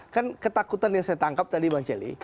kan ketakutan yang saya tangkap tadi bang celi